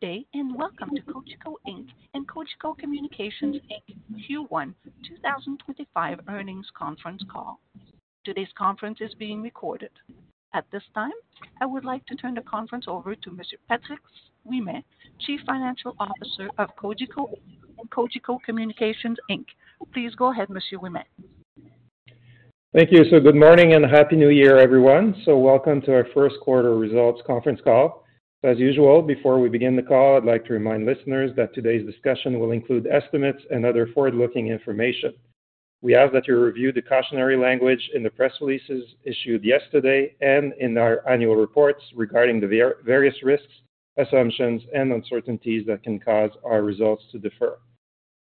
Good day and welcome to Cogeco Inc. and Cogeco Communications Inc. Q1 2025 earnings conference call. Today's conference is being recorded. At this time, I would like to turn the conference over to Mr. Patrice Ouimet, Chief Financial Officer of Cogeco Communications Inc. Please go ahead, Mr. Ouimet. Thank you. Good morning and happy New Year, everyone. Welcome to our first quarter results conference call. As usual, before we begin the call, I'd like to remind listeners that today's discussion will include estimates and other forward-looking information. We ask that you review the cautionary language in the press releases issued yesterday and in our annual reports regarding the various risks, assumptions, and uncertainties that can cause our results to differ.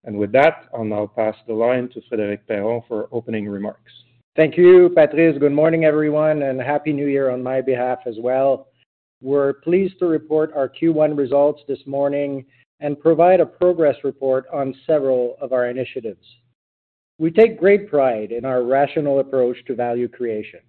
With that, I'll now pass the line to Frédéric Perron for opening remarks. Thank you, Patrice. Good morning, everyone, and happy New Year on my behalf as well. We're pleased to report our Q1 results this morning and provide a progress report on several of our initiatives. We take great pride in our rational approach to value creation.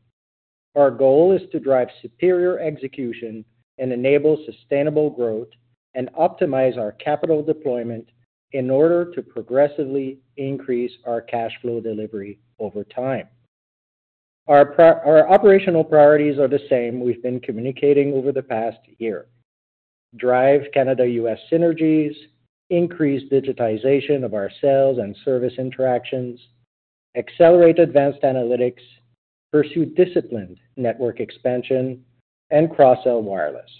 Our goal is to drive superior execution and enable sustainable growth and optimize our capital deployment in order to progressively increase our cash flow delivery over time. Our operational priorities are the same we've been communicating over the past year: drive Canada-U.S. synergies, increase digitization of our sales and service interactions, accelerate advanced analytics, pursue disciplined network expansion, and cross-sell wireless.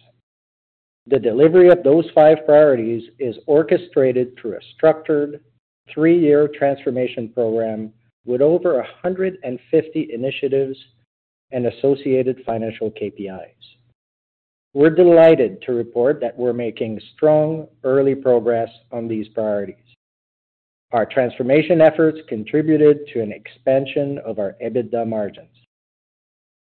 The delivery of those five priorities is orchestrated through a structured three-year transformation program with over 150 initiatives and associated financial KPIs. We're delighted to report that we're making strong, early progress on these priorities. Our transformation efforts contributed to an expansion of our EBITDA margins.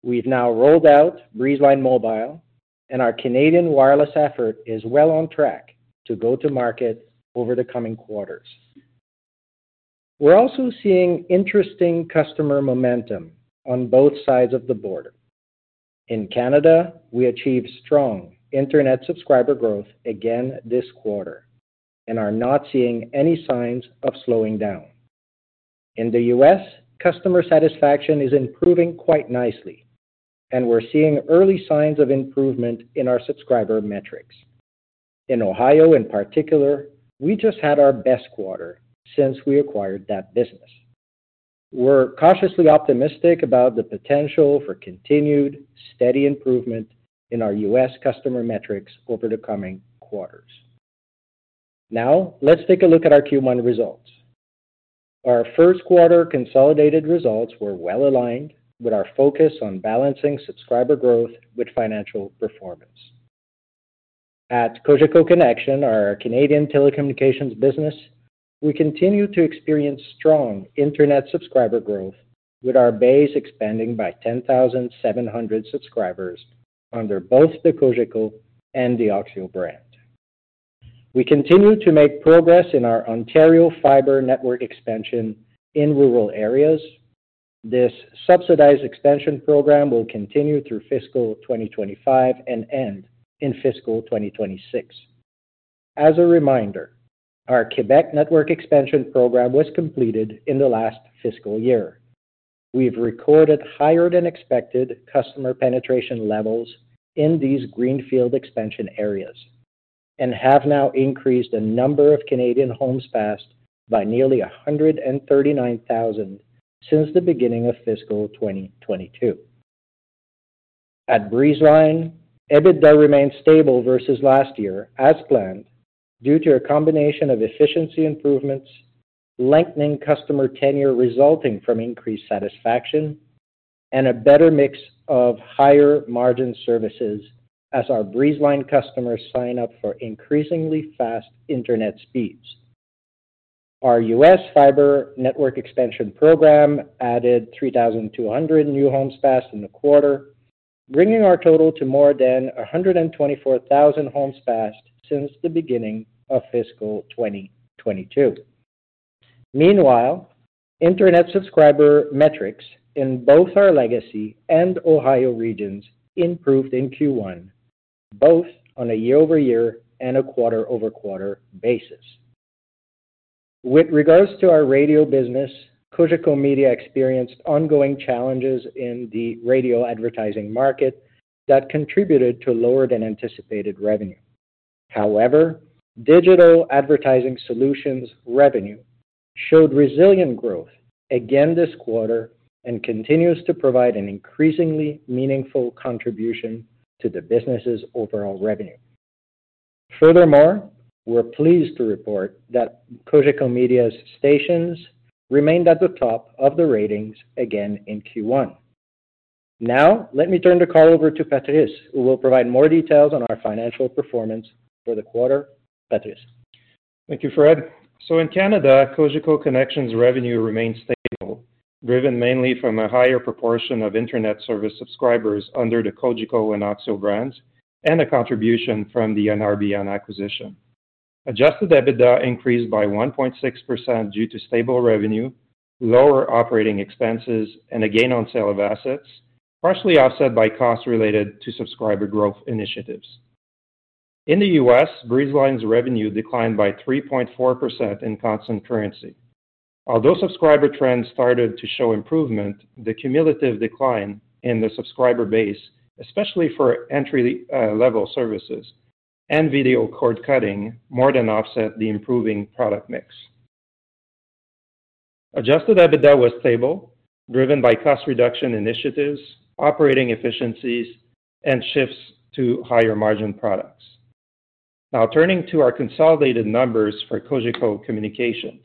We've now rolled out Breezeline Mobile, and our Canadian wireless effort is well on track to go to market over the coming quarters. We're also seeing interesting customer momentum on both sides of the border. In Canada, we achieved strong internet subscriber growth again this quarter and are not seeing any signs of slowing down. In the U.S., customer satisfaction is improving quite nicely, and we're seeing early signs of improvement in our subscriber metrics. In Ohio, in particular, we just had our best quarter since we acquired that business. We're cautiously optimistic about the potential for continued, steady improvement in our U.S. customer metrics over the coming quarters. Now, let's take a look at our Q1 results. Our first quarter consolidated results were well aligned with our focus on balancing subscriber growth with financial performance. At Cogeco Connexion, our Canadian telecommunications business, we continue to experience strong Internet subscriber growth, with our base expanding by 10,700 subscribers under both the Cogeco and the oxio brand. We continue to make progress in our Ontario fiber network expansion in rural areas. This subsidized expansion program will continue through fiscal 2025 and end in fiscal 2026. As a reminder, our Quebec network expansion program was completed in the last fiscal year. We've recorded higher than expected customer penetration levels in these greenfield expansion areas and have now increased the number of Canadian homes passed by nearly 139,000 since the beginning of fiscal 2022. At Breezeline, EBITDA remains stable versus last year, as planned, due to a combination of efficiency improvements, lengthening customer tenure resulting from increased satisfaction, and a better mix of higher margin services as our Breezeline customers sign up for increasingly fast Internet speeds. Our U.S. Fiber network expansion program added 3,200 new homes passed in the quarter, bringing our total to more than 124,000 homes passed since the beginning of fiscal 2022. Meanwhile, internet subscriber metrics in both our legacy and Ohio regions improved in Q1, both on a year-over-year and a quarter-over-quarter basis. With regards to our radio business, Cogeco Media experienced ongoing challenges in the radio advertising market that contributed to lower than anticipated revenue. However, digital advertising solutions revenue showed resilient growth again this quarter and continues to provide an increasingly meaningful contribution to the business's overall revenue. Furthermore, we're pleased to report that Cogeco Media's stations remained at the top of the ratings again in Q1. Now, let me turn the call over to Patrice, who will provide more details on our financial performance for the quarter. Patrice. Thank you, Fred. In Canada, Cogeco Connexion revenue remained stable, driven mainly from a higher proportion of internet service subscribers under the Cogeco and oxio brands and a contribution from the NRBN acquisition. Adjusted EBITDA increased by 1.6% due to stable revenue, lower operating expenses, and a gain on sale of assets, partially offset by costs related to subscriber growth initiatives. In the U.S., Breezeline's revenue declined by 3.4% in constant currency. Although subscriber trends started to show improvement, the cumulative decline in the subscriber base, especially for entry-level services and video cord cutting, more than offset the improving product mix. Adjusted EBITDA was stable, driven by cost reduction initiatives, operating efficiencies, and shifts to higher margin products. Now, turning to our consolidated numbers for Cogeco Communications.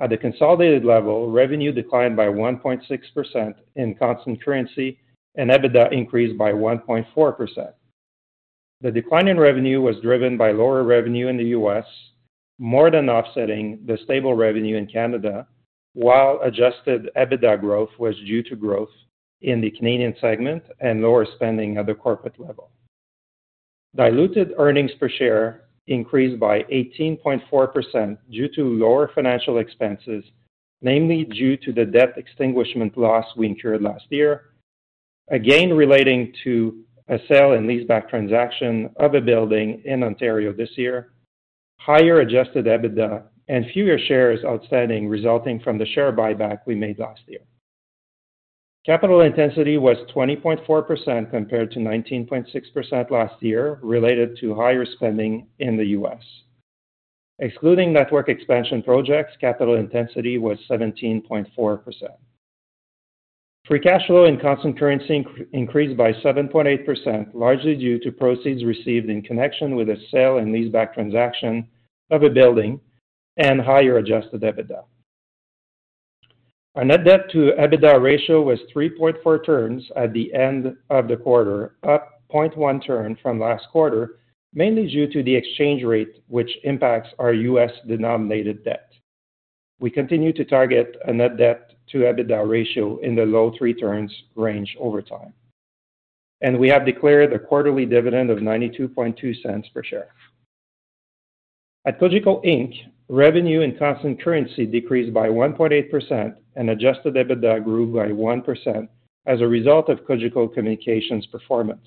At the consolidated level, revenue declined by 1.6% in constant currency and EBITDA increased by 1.4%. The decline in revenue was driven by lower revenue in the U.S., more than offsetting the stable revenue in Canada, while adjusted EBITDA growth was due to growth in the Canadian segment and lower spending at the corporate level. Diluted earnings per share increased by 18.4% due to lower financial expenses, namely due to the debt extinguishment loss we incurred last year, again relating to a sale and leaseback transaction of a building in Ontario this year, higher adjusted EBITDA, and fewer shares outstanding resulting from the share buyback we made last year. Capital intensity was 20.4% compared to 19.6% last year, related to higher spending in the U.S. Excluding network expansion projects, capital intensity was 17.4%. Free cash flow in constant currency increased by 7.8%, largely due to proceeds received in connection with a sale and leaseback transaction of a building and higher adjusted EBITDA. Our net debt to EBITDA ratio was 3.4 turns at the end of the quarter, up 0.1 turn from last quarter, mainly due to the exchange rate, which impacts our U.S. denominated debt. We continue to target a net debt to EBITDA ratio in the low three turns range over time. And we have declared a quarterly dividend of 0.922 per share. At Cogeco Inc., revenue in constant currency decreased by 1.8%, and adjusted EBITDA grew by 1% as a result of Cogeco Communications' performance.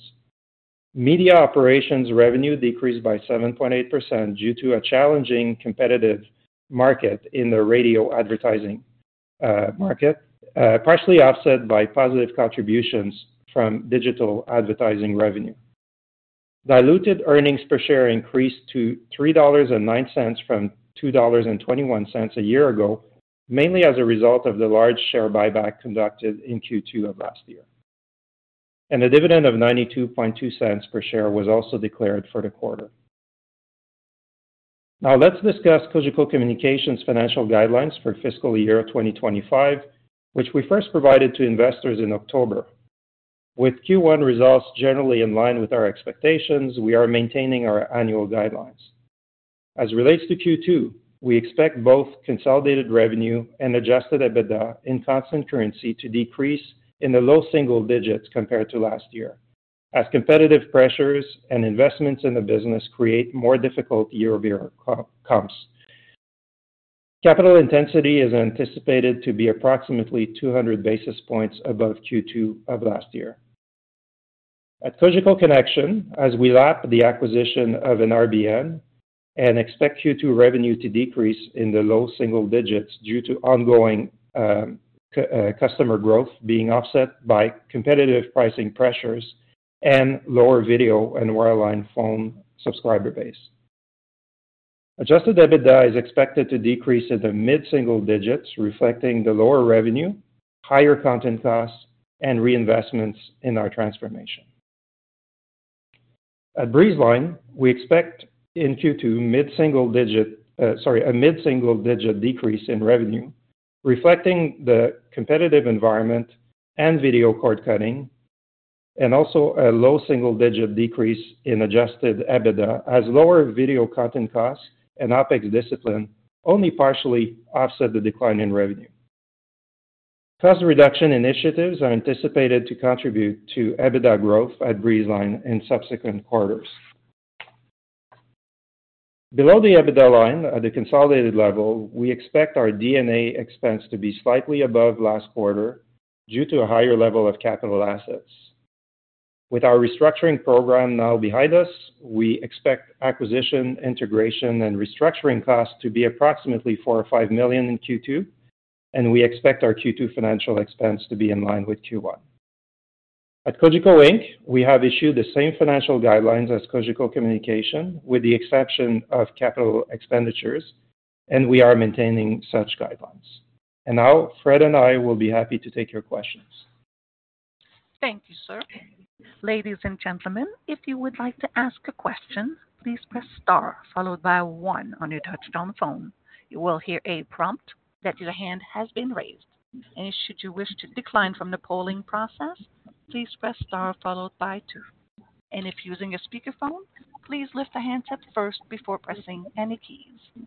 Media operations revenue decreased by 7.8% due to a challenging competitive market in the radio advertising market, partially offset by positive contributions from digital advertising revenue. Diluted earnings per share increased to 3.09 dollars from 2.21 dollars a year ago, mainly as a result of the large share buyback conducted in Q2 of last year. A dividend of 0.922 per share was also declared for the quarter. Now, let's discuss Cogeco Communications' financial guidelines for fiscal year 2025, which we first provided to investors in October. With Q1 results generally in line with our expectations, we are maintaining our annual guidelines. As it relates to Q2, we expect both consolidated revenue and adjusted EBITDA in constant currency to decrease in the low single digits compared to last year, as competitive pressures and investments in the business create more difficult year-over-year comps. Capital intensity is anticipated to be approximately 200 basis points above Q2 of last year. At Cogeco Connexion, as we wrap the acquisition of NRBN and expect Q2 revenue to decrease in the low single digits due to ongoing customer growth being offset by competitive pricing pressures and lower video and wireline phone subscriber base. Adjusted EBITDA is expected to decrease in the mid-single digits, reflecting the lower revenue, higher content costs, and reinvestments in our transformation. At Breezeline, we expect in Q2 mid-single digit, sorry, a mid-single digit decrease in revenue, reflecting the competitive environment and video cord cutting, and also a low single digit decrease in adjusted EBITDA, as lower video content costs and OPEX discipline only partially offset the decline in revenue. Cost reduction initiatives are anticipated to contribute to EBITDA growth at Breezeline in subsequent quarters. Below the EBITDA line at the consolidated level, we expect our D&A expense to be slightly above last quarter due to a higher level of capital assets. With our restructuring program now behind us, we expect acquisition, integration, and restructuring costs to be approximately 4 million or 5 million in Q2, and we expect our Q2 financial expense to be in line with Q1. At Cogeco Inc., we have issued the same financial guidelines as Cogeco Communications, with the exception of capital expenditures, and we are maintaining such guidelines, and now, Fred and I will be happy to take your questions. Thank you, sir. Ladies and gentlemen, if you would like to ask a question, please press star followed by one on your touch-tone phone. You will hear a prompt that your hand has been raised. And should you wish to decline from the polling process, please press star followed by two. And if using a speakerphone, please lift the handset up first before pressing any keys.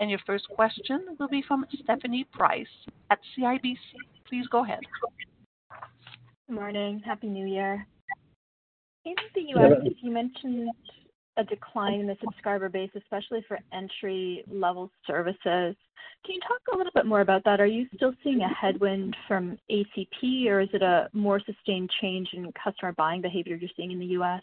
And your first question will be from Stephanie Price at CIBC. Please go ahead. Good morning. Happy New Year. In the U.S., you mentioned a decline in the subscriber base, especially for entry-level services. Can you talk a little bit more about that? Are you still seeing a headwind from ACP, or is it a more sustained change in customer buying behavior you're seeing in the U.S.?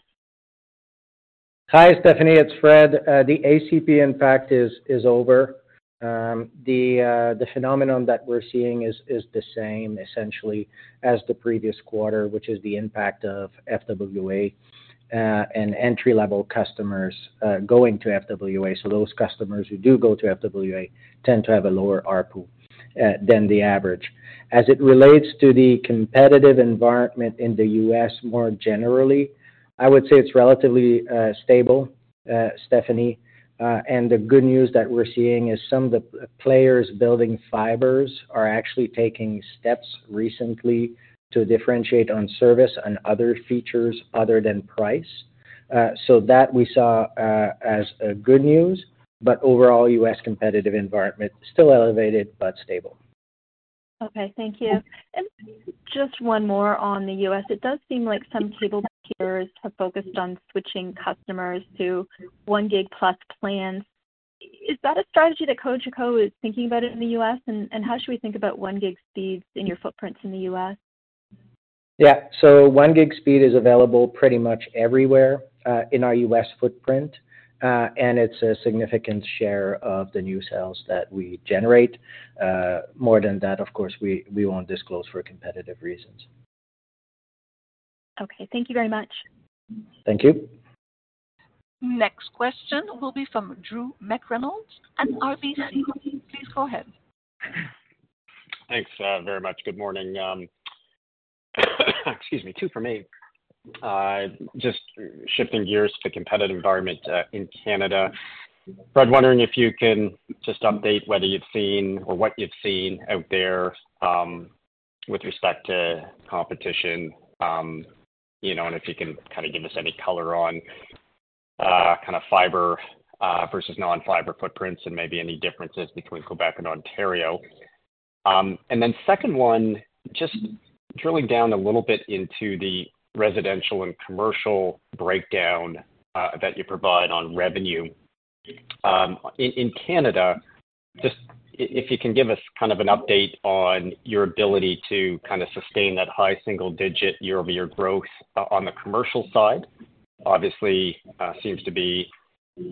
Hi, Stephanie. It's Fred. The ACP, in fact, is over. The phenomenon that we're seeing is the same, essentially, as the previous quarter, which is the impact of FWA and entry-level customers going to FWA. So those customers who do go to FWA tend to have a lower RPU than the average. As it relates to the competitive environment in the U.S. more generally, I would say it's relatively stable, Stephanie. And the good news that we're seeing is some of the players building fibers are actually taking steps recently to differentiate on service and other features other than price. So that we saw as good news, but overall, U.S. competitive environment still elevated but stable. Okay. Thank you. And just one more on the U.S. It does seem like some cable peers have focused on switching customers to 1 GB+ plans. Is that a strategy that Cogeco is thinking about in the U.S., and how should we think about 1 GB speeds in your footprints in the U.S.? Yeah. So 1 GB speed is available pretty much everywhere in our U.S. footprint, and it's a significant share of the new sales that we generate. More than that, of course, we won't disclose for competitive reasons. Okay. Thank you very much. Thank you. Next question will be from Drew McReynolds at RBC. Please go ahead. Thanks very much. Good morning. Excuse me, two for me. Just shifting gears to competitive environment in Canada. Fred, wondering if you can just update whether you've seen or what you've seen out there with respect to competition, and if you can kind of give us any color on kind of fiber versus non-fiber footprints and maybe any differences between Quebec and Ontario. And then second one, just drilling down a little bit into the residential and commercial breakdown that you provide on revenue. In Canada, just if you can give us kind of an update on your ability to kind of sustain that high single-digit year-over-year growth on the commercial side. Obviously, seems to be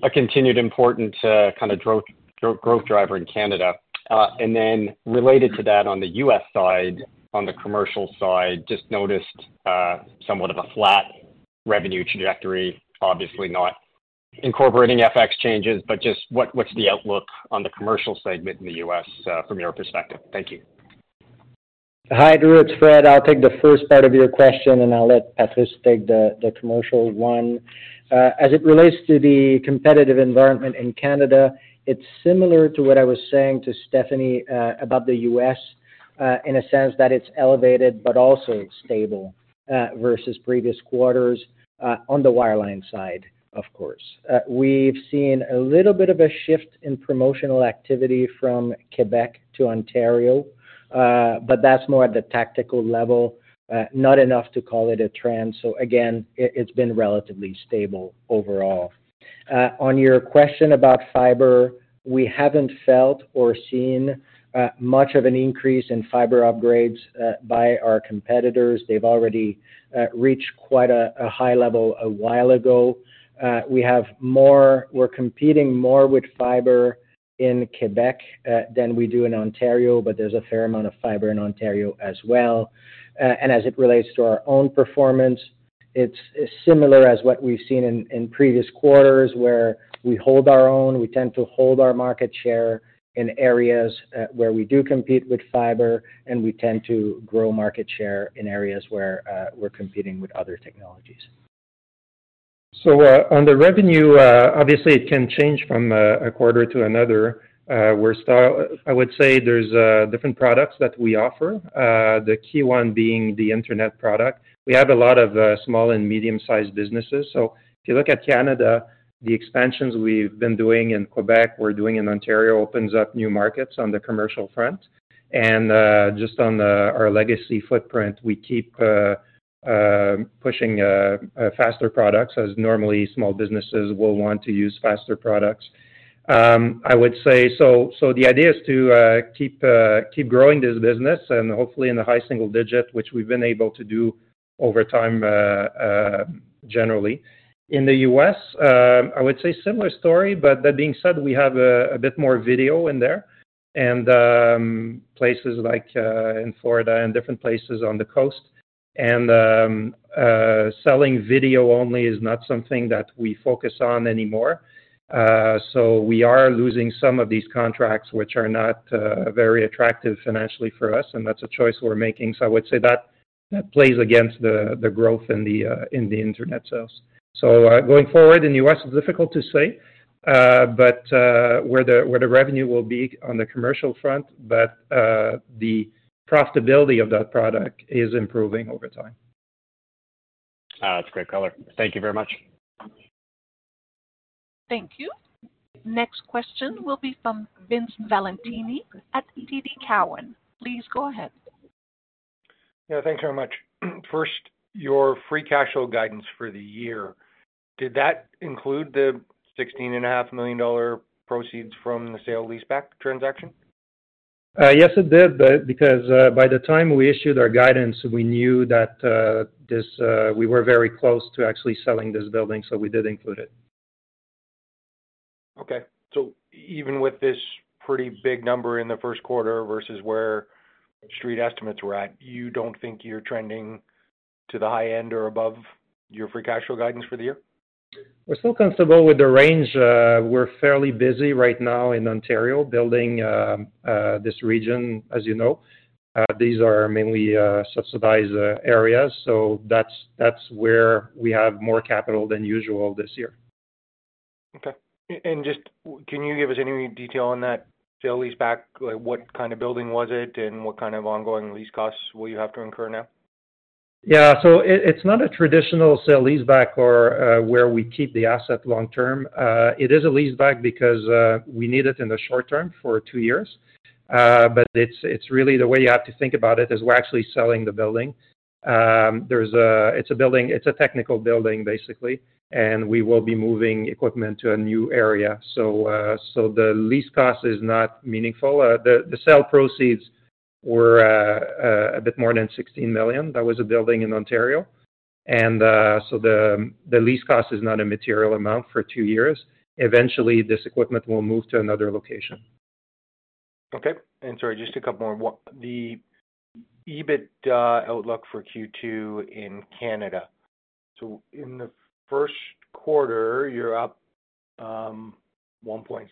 a continued important kind of growth driver in Canada. And then related to that on the U.S. side, on the commercial side, just noticed somewhat of a flat revenue trajectory, obviously not incorporating FX changes, but just what's the outlook on the commercial segment in the U.S. from your perspective? Thank you. Hi, Drew. It's Fred. I'll take the first part of your question, and I'll let Patrice take the commercial one. As it relates to the competitive environment in Canada, it's similar to what I was saying to Stephanie about the U.S. in a sense that it's elevated but also stable versus previous quarters on the wireline side, of course. We've seen a little bit of a shift in promotional activity from Quebec to Ontario, but that's more at the tactical level, not enough to call it a trend. So again, it's been relatively stable overall. On your question about fiber, we haven't felt or seen much of an increase in fiber upgrades by our competitors. They've already reached quite a high level a while ago. We have more, we're competing more with fiber in Quebec than we do in Ontario, but there's a fair amount of fiber in Ontario as well. As it relates to our own performance, it's similar as what we've seen in previous quarters where we hold our own. We tend to hold our market share in areas where we do compete with fiber, and we tend to grow market share in areas where we're competing with other technologies. So on the revenue, obviously, it can change from a quarter to another. I would say there's different products that we offer, the key one being the internet product. We have a lot of small and medium-sized businesses. So if you look at Canada, the expansions we've been doing in Quebec, we're doing in Ontario opens up new markets on the commercial front. And just on our legacy footprint, we keep pushing faster products as normally small businesses will want to use faster products. I would say, so the idea is to keep growing this business and hopefully in the high single digit, which we've been able to do over time generally. In the U.S., I would say similar story, but that being said, we have a bit more video in there and places like in Florida and different places on the coast. And selling video only is not something that we focus on anymore. So we are losing some of these contracts which are not very attractive financially for us, and that's a choice we're making. So I would say that plays against the growth in the internet sales. So going forward in the U.S., it's difficult to say, but where the revenue will be on the commercial front, but the profitability of that product is improving over time. That's a great color. Thank you very much. Thank you. Next question will be from Vince Valentini at TD Cowen. Please go ahead. Yeah. Thanks very much. First, your free cash flow guidance for the year, did that include the 16.5 million dollar proceeds from the sale leaseback transaction? Yes, it did, because by the time we issued our guidance, we knew that we were very close to actually selling this building, so we did include it. Okay, so even with this pretty big number in the first quarter versus where street estimates were at, you don't think you're trending to the high end or above your free cash flow guidance for the year? We're still comfortable with the range. We're fairly busy right now in Ontario building this region, as you know. These are mainly subsidized areas, so that's where we have more capital than usual this year. Okay. And just can you give us any detail on that sale-leaseback? What kind of building was it, and what kind of ongoing lease costs will you have to incur now? Yeah. So it's not a traditional sale leaseback or where we keep the asset long term. It is a leaseback because we need it in the short term for two years. But it's really the way you have to think about it is we're actually selling the building. It's a technical building, basically, and we will be moving equipment to a new area. So the lease cost is not meaningful. The sale proceeds were a bit more than 16 million. That was a building in Ontario. And so the lease cost is not a material amount for two years. Eventually, this equipment will move to another location. Okay. And sorry, just a couple more. The EBIT outlook for Q2 in Canada. So in the first quarter, you're up 1.6%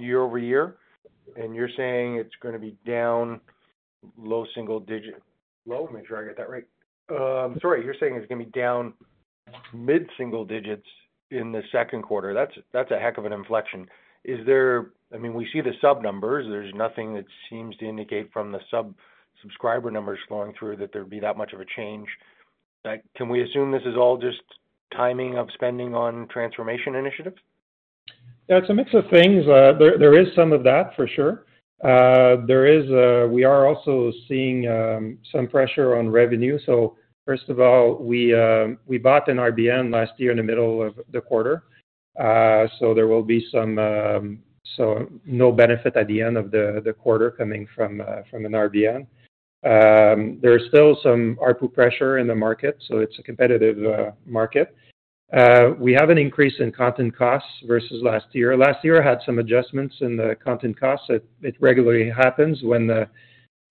year-over-year, and you're saying it's going to be down low single digit. Make sure I get that right. Sorry. You're saying it's going to be down mid-single digits in the second quarter. That's a heck of an inflection. I mean, we see the sub numbers. There's nothing that seems to indicate from the subscriber numbers flowing through that there'd be that much of a change. Can we assume this is all just timing of spending on transformation initiatives? Yeah. It's a mix of things. There is some of that for sure. We are also seeing some pressure on revenue. So first of all, we bought an NRBN last year in the middle of the quarter. So there will be no benefit at the end of the quarter coming from an NRBN. There is still some RPU pressure in the market, so it's a competitive market. We have an increase in content costs versus last year. Last year had some adjustments in the content costs. It regularly happens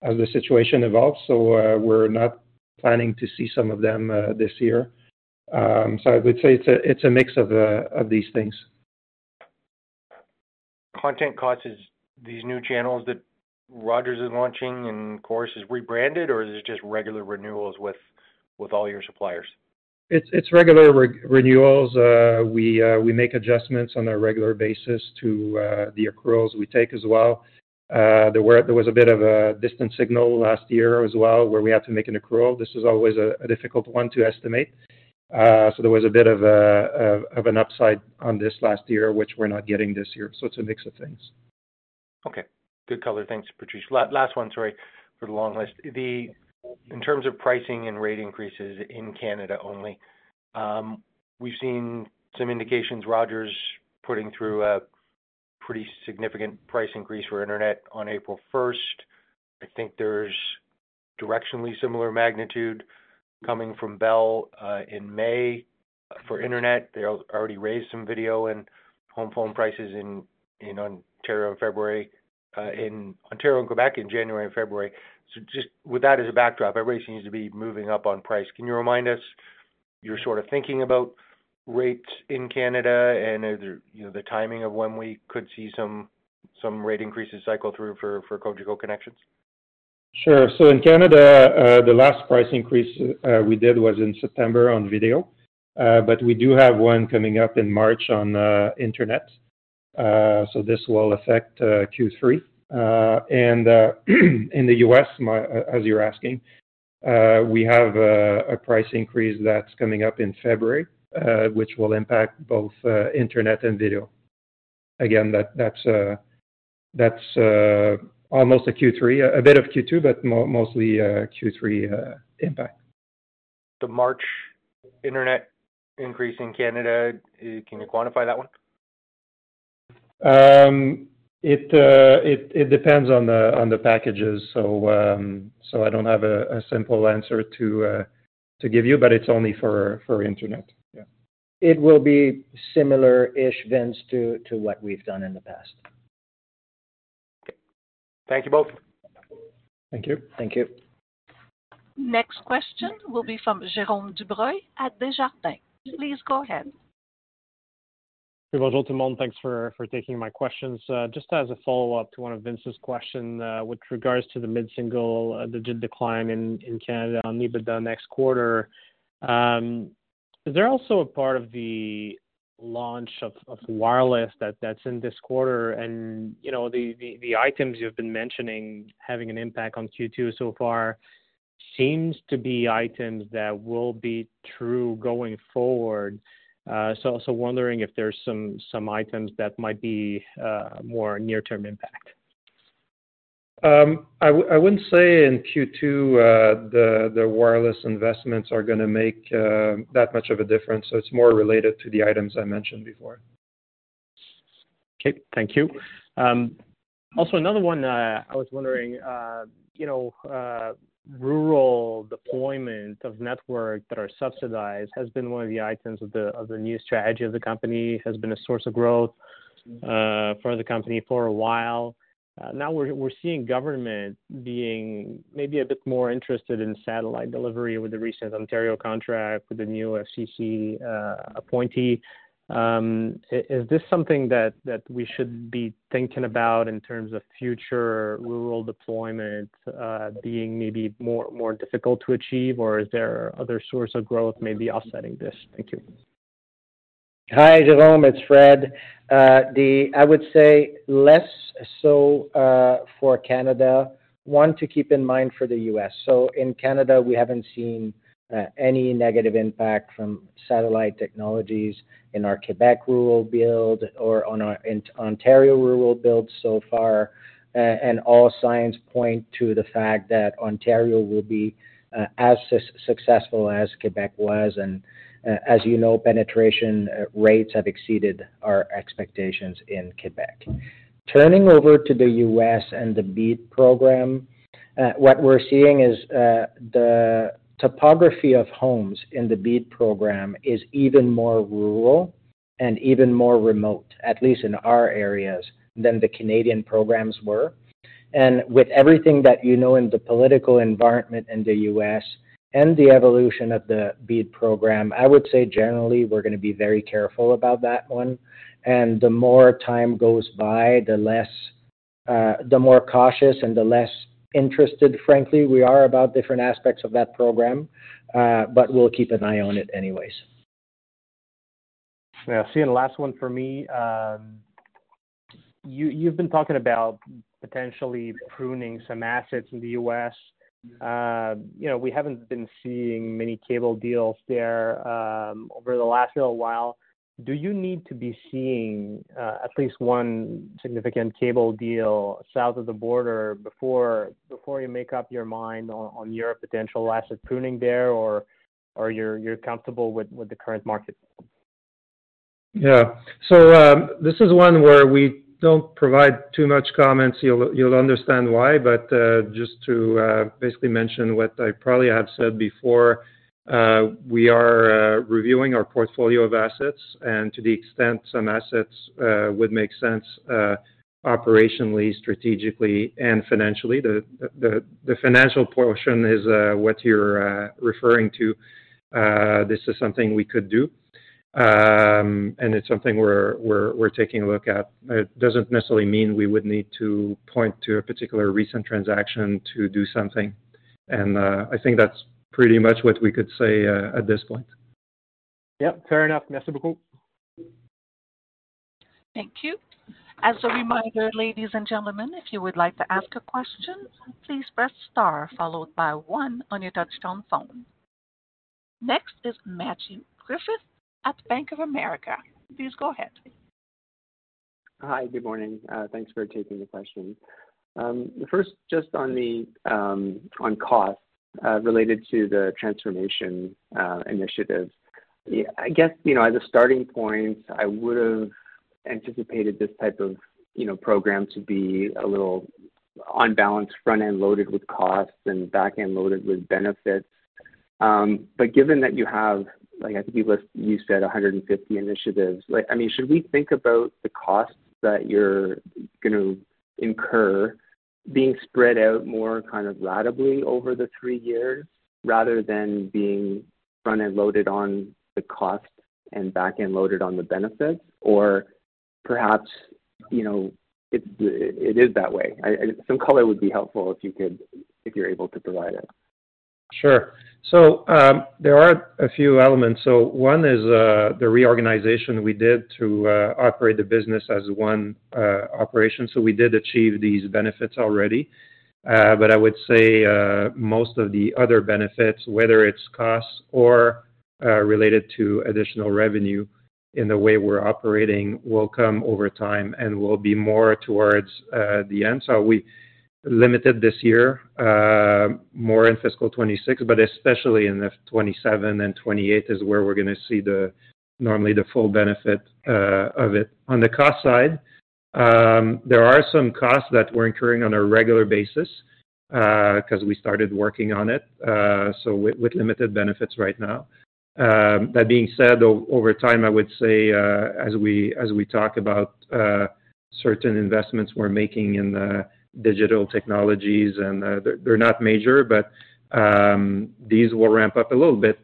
as the situation evolves. So we're not planning to see some of them this year. So I would say it's a mix of these things. Content costs is these new channels that Rogers is launching and Corus is rebranded, or is it just regular renewals with all your suppliers? It's regular renewals. We make adjustments on a regular basis to the accruals we take as well. There was a bit of a distant signal last year as well where we had to make an accrual. This is always a difficult one to estimate. So there was a bit of an upside on this last year, which we're not getting this year. So it's a mix of things. Okay. Good color. Thanks, Patrice. Last one, sorry, for the long list. In terms of pricing and rate increases in Canada only, we've seen some indications Rogers putting through a pretty significant price increase for internet on April 1st. I think there's directionally similar magnitude coming from Bell in May for internet. They already raised some video and home phone prices in Ontario in February, in Ontario and Quebec in January and February. So just with that as a backdrop, everybody seems to be moving up on price. Can you remind us you're sort of thinking about rates in Canada and the timing of when we could see some rate increases cycle through for Cogeco Connexion? Sure. So in Canada, the last price increase we did was in September on video, but we do have one coming up in March on internet. So this will affect Q3. And in the U.S., as you're asking, we have a price increase that's coming up in February, which will impact both internet and video. Again, that's almost a Q3, a bit of Q2, but mostly Q3 impact. The March internet increase in Canada, can you quantify that one? It depends on the packages. So I don't have a simple answer to give you, but it's only for internet. Yeah. It will be similar-ish, Vince, to what we've done in the past. Okay. Thank you both. Thank you. Thank you. Next question will be from Jérôme Dubreuil at Desjardins. Please go ahead. Hey, bonjour, tout le monde. Thanks for taking my questions. Just as a follow-up to one of Vince's questions with regards to the mid-single digit decline in Canada on EBITDA next quarter, is there also a part of the launch of wireless that's in this quarter? And the items you've been mentioning having an impact on Q2 so far seems to be items that will be true going forward. So wondering if there's some items that might be more near-term impact. I wouldn't say in Q2 the wireless investments are going to make that much of a difference. So it's more related to the items I mentioned before. Okay. Thank you. Also, another one I was wondering, rural deployment of networks that are subsidized has been one of the items of the new strategy of the company, has been a source of growth for the company for a while. Now we're seeing government being maybe a bit more interested in satellite delivery with the recent Ontario contract with the new FCC appointee. Is this something that we should be thinking about in terms of future rural deployment being maybe more difficult to achieve, or is there other source of growth maybe offsetting this? Thank you. Hi, Jérôme. It's Fred. I would say less so for Canada, one to keep in mind for the U.S. So in Canada, we haven't seen any negative impact from satellite technologies in our Quebec rural build or on our Ontario rural build so far, and all signs point to the fact that Ontario will be as successful as Quebec was, and as you know, penetration rates have exceeded our expectations in Quebec. Turning over to the U.S. and the BEAD program, what we're seeing is the topography of homes in the BEAD program is even more rural and even more remote, at least in our areas, than the Canadian programs were, and with everything that you know in the political environment in the U.S. and the evolution of the BEAD program, I would say generally we're going to be very careful about that one. The more time goes by, the more cautious and the less interested, frankly, we are about different aspects of that program, but we'll keep an eye on it anyways. Now, seeing the last one for me, you've been talking about potentially pruning some assets in the U.S. We haven't been seeing many cable deals there over the last little while. Do you need to be seeing at least one significant cable deal south of the border before you make up your mind on your potential asset pruning there, or you're comfortable with the current market? Yeah. So this is one where we don't provide too much comments. You'll understand why. But just to basically mention what I probably have said before, we are reviewing our portfolio of assets. And to the extent some assets would make sense operationally, strategically, and financially. The financial portion is what you're referring to. This is something we could do, and it's something we're taking a look at. It doesn't necessarily mean we would need to point to a particular recent transaction to do something. And I think that's pretty much what we could say at this point. Yep. Fair enough. Merci beaucoup. Thank you. As a reminder, ladies and gentlemen, if you would like to ask a question, please press star followed by one on your touch-tone phone. Next is Matthew Griffiths at Bank of America. Please go ahead. Hi. Good morning. Thanks for taking the question. First, just on costs related to the transformation initiative. I guess as a starting point, I would have anticipated this type of program to be a little unbalanced, front-end loaded with costs and back-end loaded with benefits. But given that you have, I think you said 150 initiatives, I mean, should we think about the costs that you're going to incur being spread out more kind of radically over the three years rather than being front-end loaded on the costs and back-end loaded on the benefits? Or perhaps it is that way. Some color would be helpful if you're able to provide it. Sure. So there are a few elements. So one is the reorganization we did to operate the business as one operation. So we did achieve these benefits already. But I would say most of the other benefits, whether it's costs or related to additional revenue in the way we're operating, will come over time and will be more towards the end. So we limited this year more in fiscal 2026, but especially in 2027 and 2028 is where we're going to see normally the full benefit of it. On the cost side, there are some costs that we're incurring on a regular basis because we started working on it, so with limited benefits right now. That being said, over time, I would say as we talk about certain investments we're making in digital technologies, and they're not major, but these will ramp up a little bit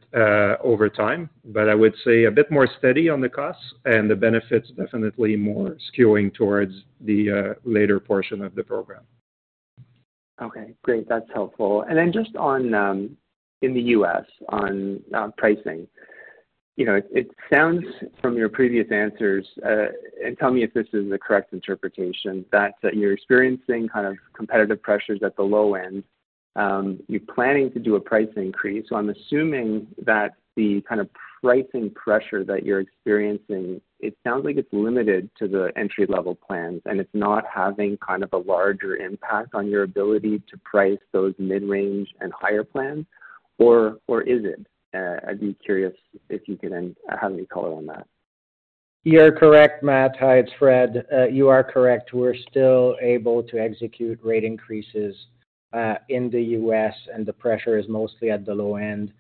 over time. But I would say a bit more steady on the costs and the benefits definitely more skewing towards the later portion of the program. Okay. Great. That's helpful. And then just in the U.S., on pricing, it sounds from your previous answers, and tell me if this is the correct interpretation, that you're experiencing kind of competitive pressures at the low end. You're planning to do a price increase. So I'm assuming that the kind of pricing pressure that you're experiencing, it sounds like it's limited to the entry-level plans, and it's not having kind of a larger impact on your ability to price those mid-range and higher plans. Or is it? I'd be curious if you can have any color on that. You're correct, Matt. Hi, it's Fred. You are correct. We're still able to execute rate increases in the U.S., and the pressure is mostly at the low end.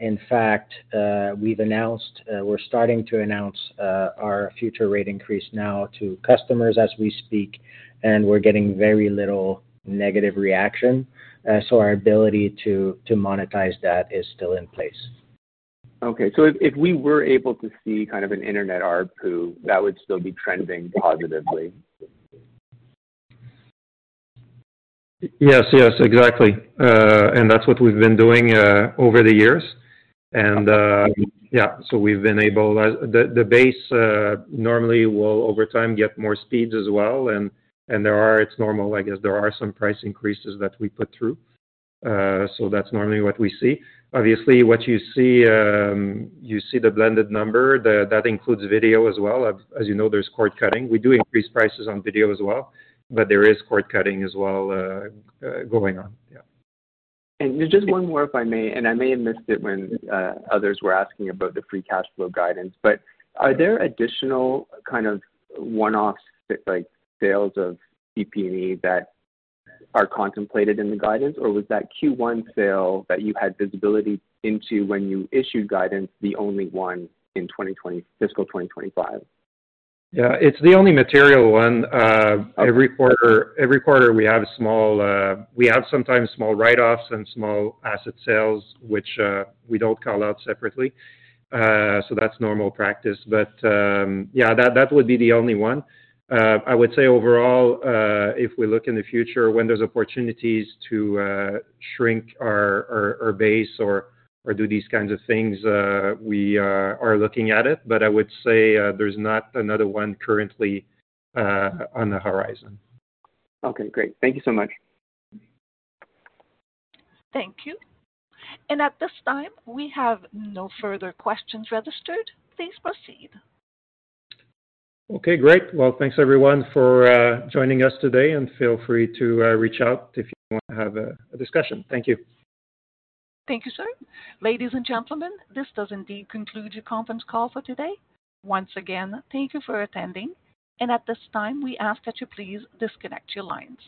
In fact, we've announced, we're starting to announce our future rate increase now to customers as we speak, and we're getting very little negative reaction. So our ability to monetize that is still in place. Okay, so if we were able to see kind of an internet RPU, that would still be trending positively. Yes. Yes. Exactly, and that's what we've been doing over the years, and yeah, so we've been able, the base normally will over time get more speeds as well, and it's normal, I guess, there are some price increases that we put through, so that's normally what we see. Obviously, what you see, you see the blended number. That includes video as well. As you know, there's cord cutting. We do increase prices on video as well, but there is cord cutting as well going on. Yeah. Just one more, if I may, and I may have missed it when others were asking about the free cash flow guidance, but are there additional kind of one-off sales of PP&E that are contemplated in the guidance, or was that Q1 sale that you had visibility into when you issued guidance the only one in fiscal 2025? Yeah. It's the only material one. Every quarter, we sometimes have small write-offs and small asset sales, which we don't call out separately. So that's normal practice. But yeah, that would be the only one. I would say overall, if we look in the future when there's opportunities to shrink our base or do these kinds of things, we are looking at it. But I would say there's not another one currently on the horizon. Okay. Great. Thank you so much. Thank you. At this time, we have no further questions registered. Please proceed. Okay. Great. Well, thanks everyone for joining us today, and feel free to reach out if you want to have a discussion. Thank you. Thank you, sir. Ladies and gentlemen, this does indeed conclude your conference call for today. Once again, thank you for attending. And at this time, we ask that you please disconnect your lines.